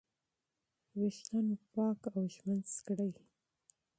ویښتان مو پاک او ږمنځ کړئ.